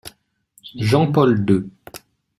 Jean-Paul deux.